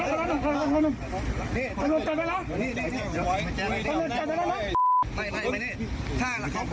นอนลงไปนอนลงไปไม่เป็นไรนะ